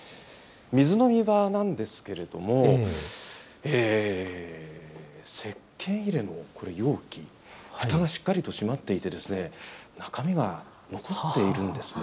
水飲み場なんですけれども、せっけん入れの容器、ふたがしっかりと閉まっていてですね、中身が残っているんですね。